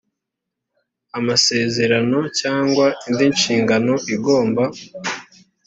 amasezerano cyangwa indi nshingano igomba